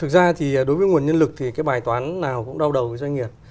thực ra thì đối với nguồn nhân lực thì cái bài toán nào cũng đau đầu với doanh nghiệp